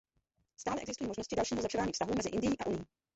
Stále existují možnosti dalšího zlepšování vztahů mezi Indií a Unií.